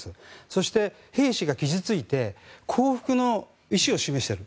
そして、兵士が傷付いて降伏の意思を示している。